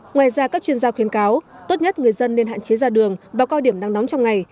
ngoài ra các chuyên gia khuyến cáo tốt nhất người dân nên hạn chế ra đường vào cao điểm nắng nóng trong ngày